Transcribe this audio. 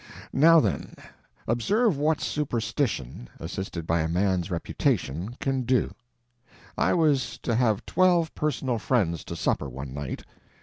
Now then, observe what superstition, assisted by a man's reputation, can do. I was to have twelve personal friends to supper one night.